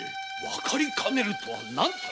わかりかねるとは何たる